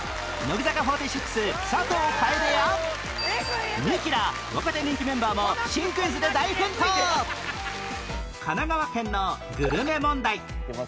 乃木坂４６佐藤楓やミキら若手人気メンバーも新クイズで大奮闘神奈川県のグルメ問題